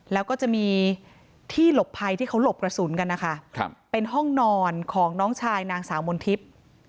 แล้วก็จะมีที่หลบภัยที่เขาหลบกระสุนกันนะคะเป็นห้องนอนของน้องชายนางสาวมนทิพย์